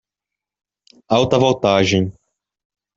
Alta voltagem!